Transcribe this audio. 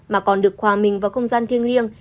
mà còn được hòa mình vào không gian thiêng liêng